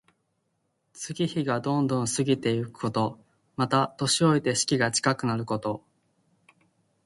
月日がどんどん過ぎていくこと。また、年老いて死期が近くなること。